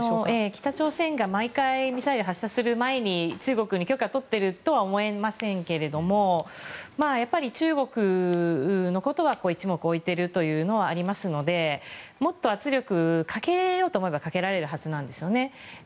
北朝鮮が毎回、ミサイルを発射する前に中国に許可とっているとは思えませんけどやっぱり、中国のことは一目置いているというのはありますのでもっと圧力をかけようと思えばかけられるはずなんですよね。